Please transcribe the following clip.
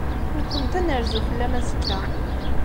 Nekkenti ad nerzu fell-am azekka.